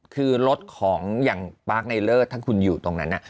คือรถของอย่างปาร์คในเลิศถ้าคุณอยู่ตรงนั้น